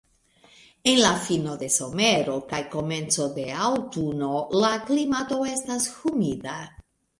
En la fino de somero kaj komenco de aŭtuno la klimato estas humida.